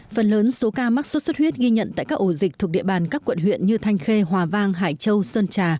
phần lớn số ca mắc sốt xuất huyết ghi nhận tại các ổ dịch thuộc địa bàn các quận huyện như thanh khê hòa vang hải châu sơn trà